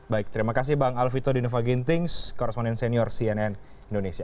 baik terima kasih bang alvito dinova gintings korresponden senior cnn indonesia